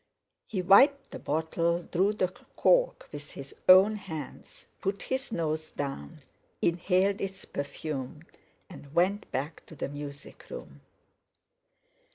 He wiped the bottle, drew the cork with his own hands, put his nose down, inhaled its perfume, and went back to the music room.